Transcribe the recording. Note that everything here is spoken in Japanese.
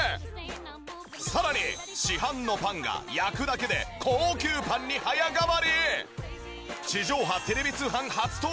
さらに市販のパンが焼くだけで高級パンに早変わり！